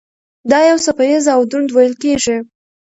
دا یو څپه ایز او دروند ویل کېږي.